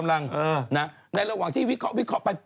ในระหว่างที่วิเคราะวิเคราะห์ไป